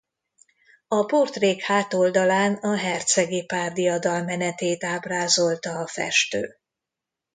A portrék hátoldalán a hercegi pár diadalmenetét ábrázolta a festő.